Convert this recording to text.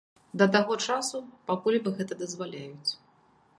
Да таго часу, пакуль ім гэта дазваляюць.